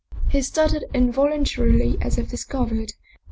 He started involuntarily as if discovered.